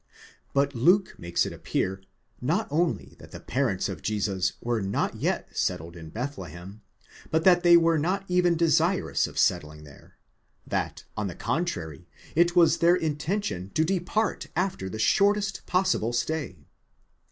® But Luke makes it appear, not only that the parents of Jesus were not yet settled in Bethlehem, but that they were not even desirous of settling there ; that, on the contrary, it was their intention to depart after the shortest possible stay.